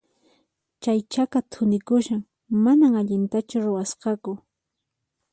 Chay chaka thunikushan, manan allintachu ruwasqaku.